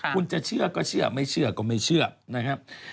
คุณจะเชื่อก็เชื่อไม่เชื่อก็ไม่เชื่อนะครับ